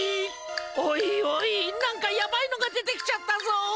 おいおいなんかやばいのが出てきちゃったぞ！